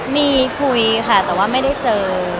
มีคุยค่ะแต่ว่าไม่ได้เจอ